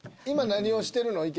今何をしてるの？